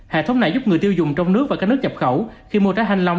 hệ thống này giúp người tiêu dùng trong nước và các nước nhập khẩu khi mua trái thanh long